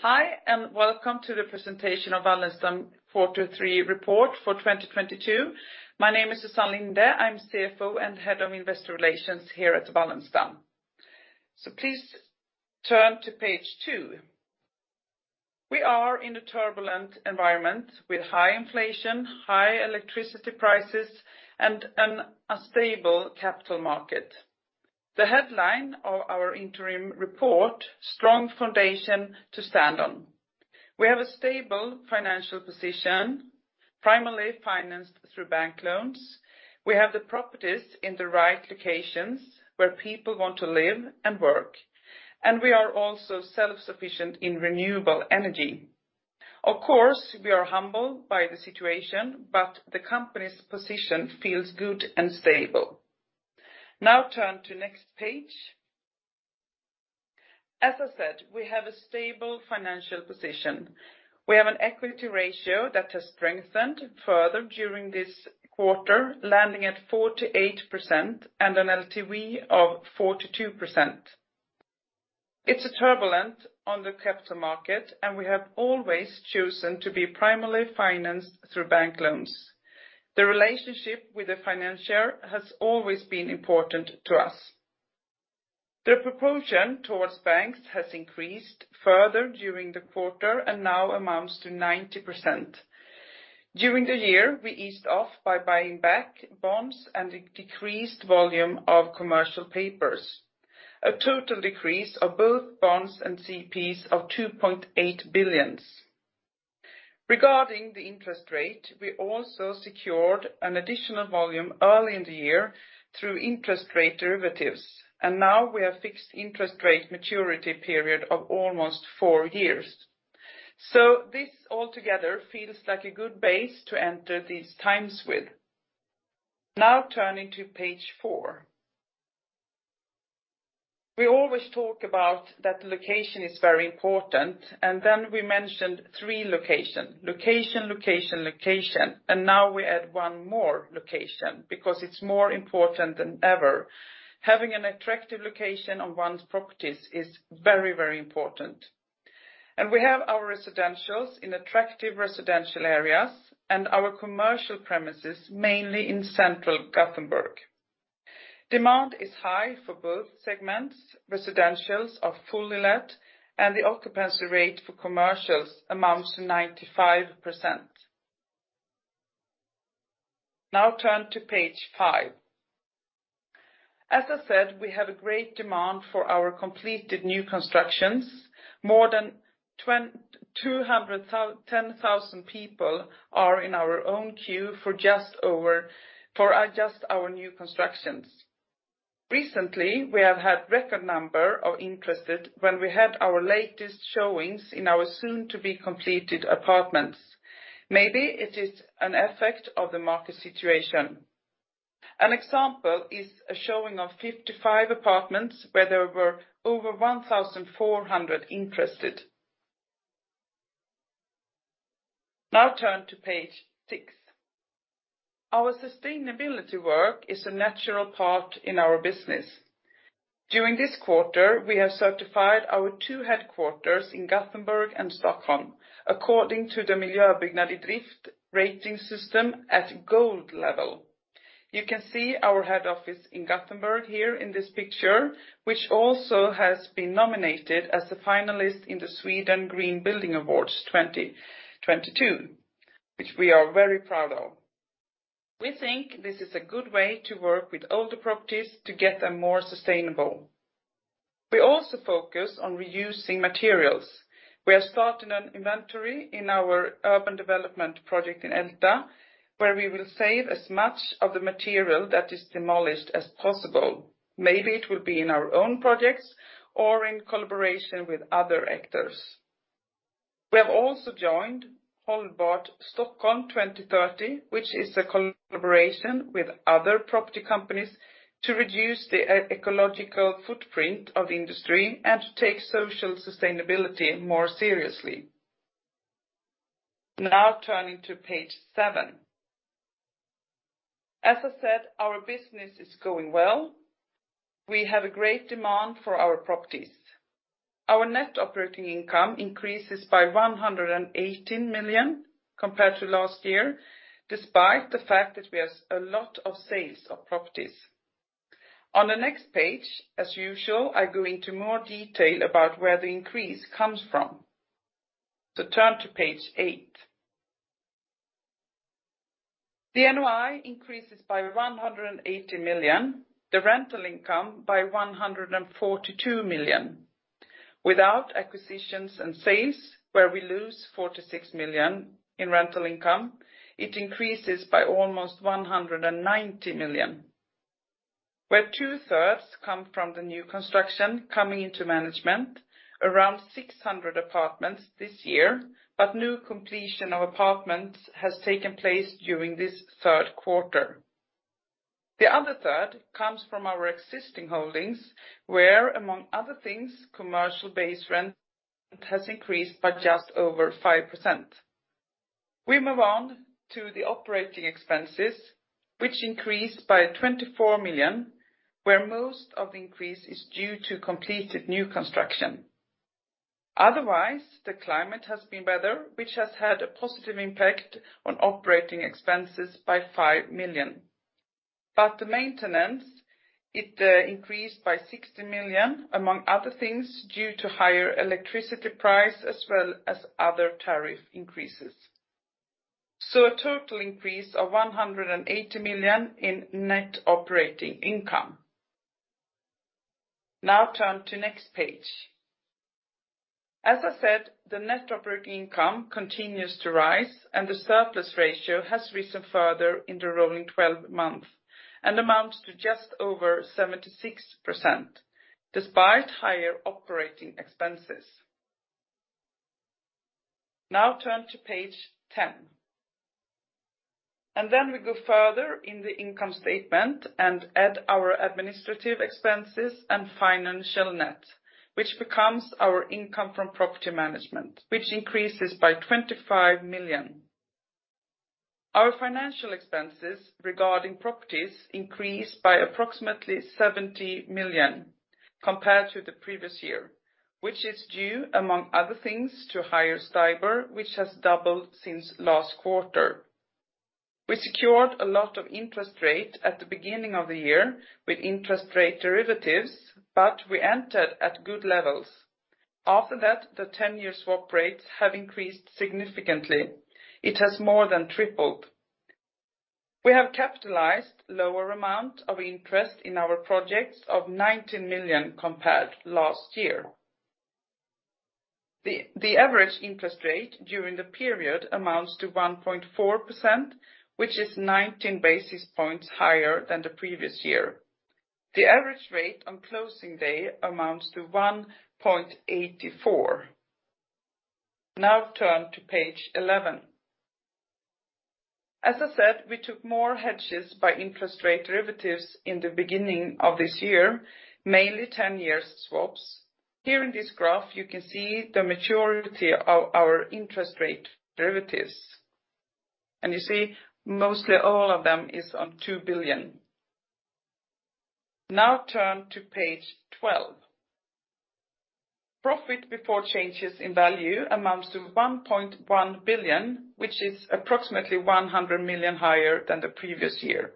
Hi, welcome to the presentation of Wallenstam quarter three report for 2022. My name is Susann Linde. I'm CFO and Head of Investor Relations here at Wallenstam. Please turn to page two. We are in a turbulent environment with high inflation, high electricity prices, and an unstable capital market. The headline of our interim report, Strong Foundation to Stand On. We have a stable financial position, primarily financed through bank loans. We have the properties in the right locations where people want to live and work, and we are also self-sufficient in renewable energy. Of course, we are humbled by the situation, but the company's position feels good and stable. Now turn to next page. As I said, we have a stable financial position. We have an equity ratio that has strengthened further during this quarter, landing at 48% and an LTV of 42%. It's turbulent on the capital market, and we have always chosen to be primarily financed through bank loans. The relationship with the financier has always been important to us. The proportion towards banks has increased further during the quarter and now amounts to 90%. During the year, we eased off by buying back bonds and a decreased volume of commercial Papers. A total decrease of both bonds and CPs of 2.8 billion. Regarding the interest rate, we also secured an additional volume early in the year through interest rate derivatives, and now we have fixed interest rate maturity period of almost four years. This all together feels like a good base to enter these times with. Now turning to page four. We always talk about that location is very important, and then we mentioned three location. Location, location, location. Now we add one more location because it's more important than ever. Having an attractive location on one's properties is very, very important. We have our residentials in attractive residential areas and our commercial premises mainly in central Gothenburg. Demand is high for both segments. Residentials are fully let, and the occupancy rate for commercials amounts to 95%. Now turn to page five. As I said, we have a great demand for our completed new constructions. More than 10,000 people are in our own queue for just our new constructions. Recently, we have had record number of interested when we had our latest showings in our soon-to-be-completed apartments. Maybe it is an effect of the market situation. An example is a showing of 55 apartments where there were over 1,400 interested. Now turn to page six. Our sustainability work is a natural part in our business. During this quarter, we have certified our two headquarters in Gothenburg and Stockholm, according to the Miljöbyggnad iDrift rating system at gold level. You can see our head office in Gothenburg here in this picture, which also has been nominated as a finalist in the Sweden Green Building Awards 2022, which we are very proud of. We think this is a good way to work with older properties to get them more sustainable. We also focus on reusing materials. We are starting an inventory in our urban development project in Älta, where we will save as much of the material that is demolished as possible. Maybe it will be in our own projects or in collaboration with other actors. We have also joined Hållbart Stockholm 2030, which is a collaboration with other property companies to reduce the ecological footprint of the industry and to take social sustainability more seriously. Now turning to page seven. As I said, our business is going well. We have a great demand for our properties. Our net operating income increases by 118 million compared to last year, despite the fact that we have a lot of sales of properties. On the next page, as usual, I go into more detail about where the increase comes from. Turn to page eight. The NOI increases by 180 million, the rental income by 142 million. Without acquisitions and sales, where we lose 46 million in rental income, it increases by almost 190 million, where two-thirds come from the new construction coming into management, around 600 apartments this year, but new completion of apartments has taken place during this third quarter. The other third comes from our existing holdings, where, among other things, commercial base rent has increased by just over 5%. We move on to the operating expenses, which increased by 24 million, where most of the increase is due to completed new construction. Otherwise, the climate has been better, which has had a positive impact on operating expenses by 5 million. The maintenance, it increased by 60 million, among other things, due to higher electricity price as well as other tariff increases. A total increase of 180 million in net operating income. Now turn to next page. As I said, the net operating income continues to rise, and the surplus ratio has risen further in the rolling 12 months, and amounts to just over 76% despite higher operating expenses. Now turn to page 10. Then we go further in the income statement and add our administrative expenses and financial net, which becomes our income from property management, which increases by 25 million. Our financial expenses regarding properties increased by approximately 70 million compared to the previous year, which is due, among other things, to higher STIBOR, which has doubled since last quarter. We secured a lot of interest rate at the beginning of the year with interest rate derivatives, but we entered at good levels. After that, the 10-year swap rates have increased significantly. It has more than tripled. We have capitalized lower amount of interest in our projects of 19 million compared to last year. The average interest rate during the period amounts to 1.4%, which is 19 basis points higher than the previous year. The average rate on closing day amounts to 1.84%. Now turn to page 11. As I said, we took more hedges by interest rate derivatives in the beginning of this year, mainly 10-year swaps. Here in this graph, you can see the maturity of our interest rate derivatives. You see mostly all of them is on 2 billion. Now turn to page 12. Profit before changes in value amounts to 1.1 billion, which is approximately 100 million higher than the previous year.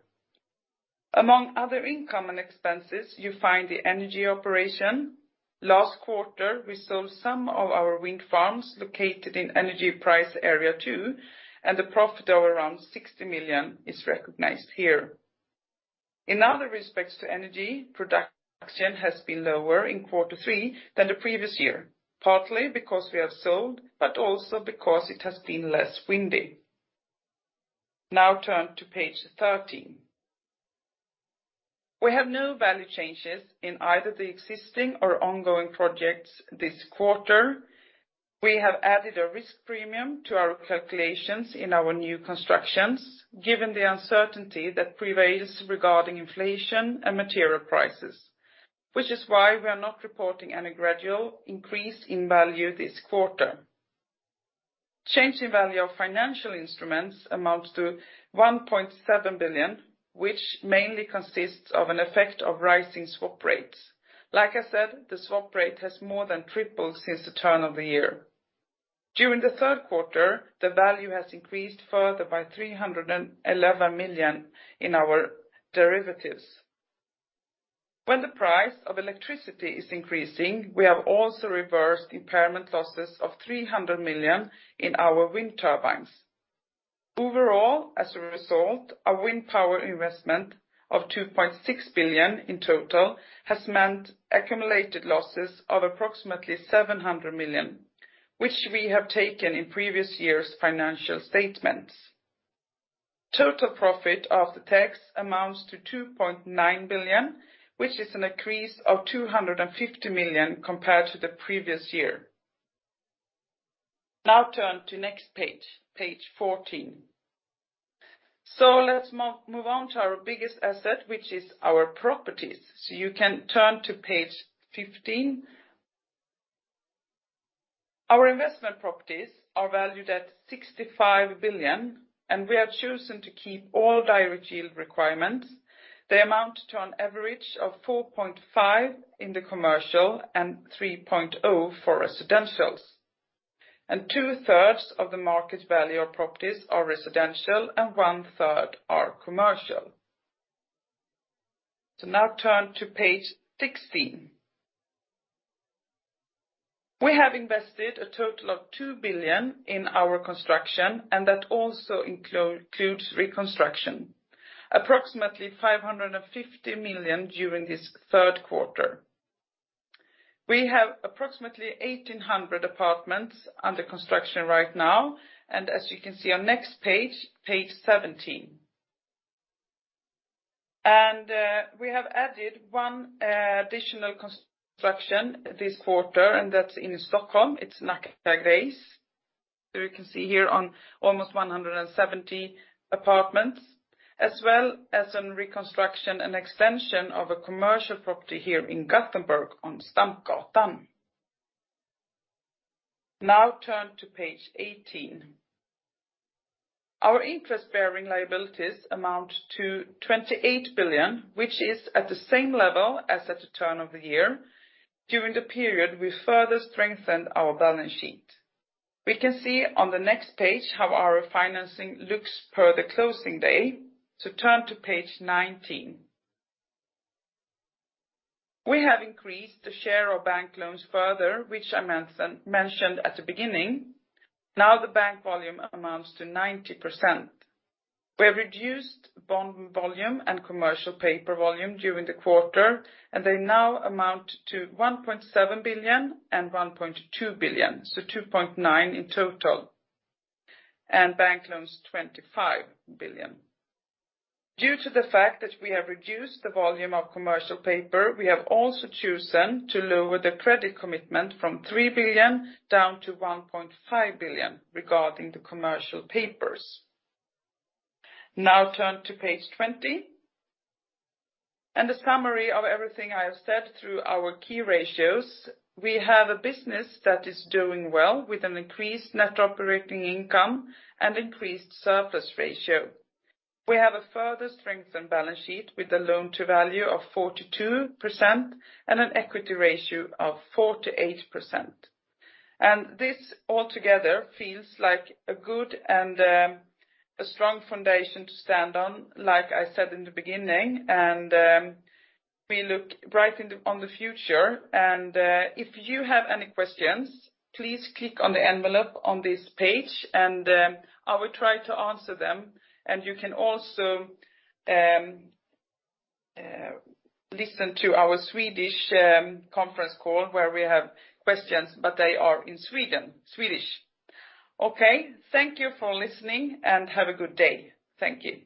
Among other income and expenses, you find the energy operation. Last quarter, we sold some of our wind farms located in energy price area two, and the profit of around 60 million is recognized here. In other respects to energy, production has been lower in quarter three than the previous year, partly because we have sold, but also because it has been less windy. Now turn to page 13. We have no value changes in either the existing or ongoing projects this quarter. We have added a risk premium to our calculations in our new constructions, given the uncertainty that prevails regarding inflation and material prices, which is why we are not reporting any gradual increase in value this quarter. Change in value of financial instruments amounts to 1.7 billion, which mainly consists of an effect of rising swap rates. Like I said, the swap rate has more than tripled since the turn of the year. During the third quarter, the value has increased further by 311 million in our derivatives. When the price of electricity is increasing, we have also reversed impairment losses of 300 million in our wind turbines. Overall, as a result, our wind power investment of 2.6 billion in total has meant accumulated losses of approximately 700 million, which we have taken in previous year's financial statements. Total profit after tax amounts to 2.9 billion, which is an increase of 250 million compared to the previous year. Now turn to next page 14. Let's move on to our biggest asset, which is our properties. You can turn to page 15. Our investment properties are valued at 65 billion, and we have chosen to keep all direct yield requirements. They amount to an average of 4.5 in the commercial and 3.0 for residentials. 2/3 of the market value of properties are residential and 1/3 are commercial. Now turn to page 16. We have invested a total of 2 billion in our construction, and that also includes reconstruction, approximately 550 million during this third quarter. We have approximately 1,800 apartments under construction right now, and as you can see on next page 17. We have added one additional construction this quarter, and that's in Stockholm. It's Nacka Grace. You can see here on almost 170 apartments, as well as on reconstruction and extension of a commercial property here in Gothenburg on Stampgatan. Now turn to page 18. Our interest-bearing liabilities amount to 28 billion, which is at the same level as at the turn of the year. During the period, we further strengthened our balance sheet. We can see on the next page how our financing looks per the closing day. Turn to page 19. We have increased the share of bank loans further, which I mentioned at the beginning. Now the bank volume amounts to 90%. We have reduced bond volume and commercial paper volume during the quarter, and they now amount to 1.7 billion and 1.2 billion, so 2.9 billion in total. Bank loans, 25 billion. Due to the fact that we have reduced the volume of commercial paper, we have also chosen to lower the credit commitment from 3 billion down to 1.5 billion regarding the commercial papers. Now turn to page 20. The summary of everything I have said through our key ratios, we have a business that is doing well with an increased net operating income and increased surplus ratio. We have a further strengthened balance sheet with a loan to value of 42% and an equity ratio of 48%. This all together feels like a good and a strong foundation to stand on, like I said in the beginning, and we look forward to the future. If you have any questions, please click on the envelope on this page, and I will try to answer them. You can also listen to our Swedish conference call where we have questions, but they are in Swedish. Okay, thank you for listening and have a good day. Thank you.